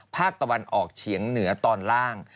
ภาคตะวันออกเฉียงเหนือตอนล่าง